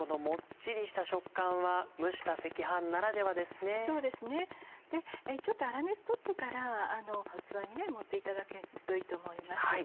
ちょっと粗熱取ってから器に盛っていただけるといいと思います。